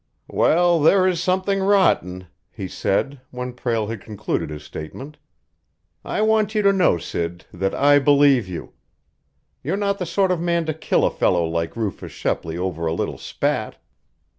"Well, there is something rotten," he said, when Prale had concluded his statement. "I want you to know, Sid, that I believe you. You're not the sort of man to kill a fellow like Rufus Shepley over a little spat.